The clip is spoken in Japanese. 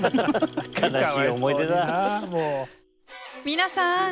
皆さん！